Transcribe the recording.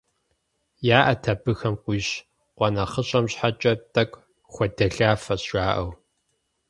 ЯӀэт абыхэм къуищ, къуэ нэхъыщӀэм щхьэкӀэ тӀэкӀу хуэделафэщ жаӀэу.